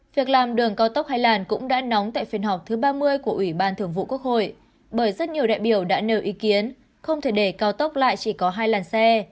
việc làm đường cao tốc hay làn cũng đã nóng tại phiên họp thứ ba mươi của ủy ban thường vụ quốc hội bởi rất nhiều đại biểu đã nêu ý kiến không thể để cao tốc lại chỉ có hai làn xe